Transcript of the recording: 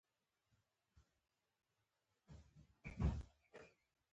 په سړک په غاړو سټیشنونه وليدل.